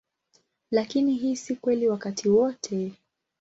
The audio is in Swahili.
Lakini hii si kweli wakati wote.